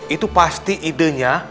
itu pasti idenya